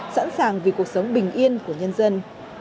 sẵn sàng vì cuộc sống bình yên của nhân dân